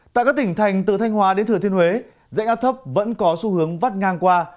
tại các tỉnh thành từ thanh hóa đến thừa thiên huế rãnh áp thấp vẫn có xu hướng vắt ngang qua